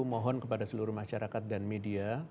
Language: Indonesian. mohon kepada seluruh masyarakat dan media